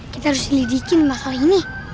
kita harus lidikin masalah ini